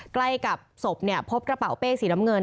ใกล้กับศพพบกระเป๋าเป้สีน้ำเงิน